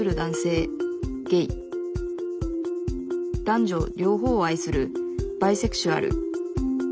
男女両方を愛するバイセクシュアル。